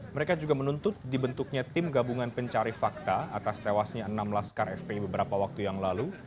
mereka juga menuntut dibentuknya tim gabungan pencari fakta atas tewasnya enam laskar fpi beberapa waktu yang lalu